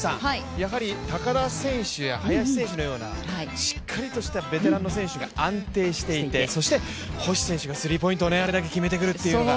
やはり、高田選手や林選手のようなしっかりとしたベテランの選手が安定してそして星選手がスリーポイントをあれだけ決めてくるというのが。